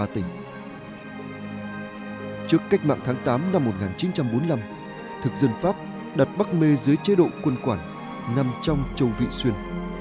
trước cách mạng tháng tám năm một nghìn chín trăm bốn mươi năm thực dân pháp đặt bắc mê dưới chế độ quân quản nằm trong châu vị xuyên